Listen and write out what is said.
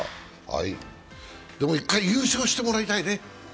でも、一回優勝してもらいたいね。